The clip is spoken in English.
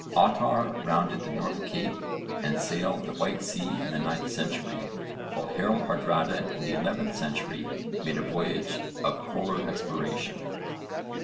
Ottarr rounded the North Cape and sailed the White Sea in the 9th century, while Harold Hardrada in the 11th century made a voyage of Polar exploration.